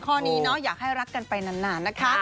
ข้อนี้เนาะอยากให้รักกันไปนานนะคะ